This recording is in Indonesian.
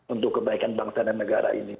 untuk kebaikan bangsa dan negara ini